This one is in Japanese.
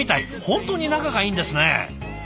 本当に仲がいいんですね。